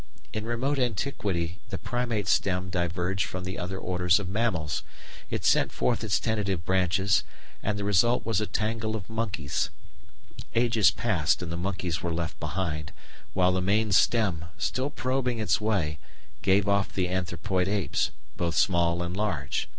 In remote antiquity the Primate stem diverged from the other orders of mammals; it sent forth its tentative branches, and the result was a tangle of monkeys; ages passed and the monkeys were left behind, while the main stem, still probing its way, gave off the Anthropoid apes, both small and large.